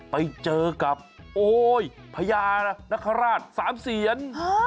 ไปเจอกับโอ้โหยพญานคราชสามเศียร